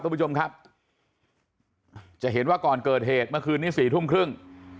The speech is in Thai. คุณผู้ชมครับจะเห็นว่าก่อนเกิดเหตุเมื่อคืนนี้สี่ทุ่มครึ่ง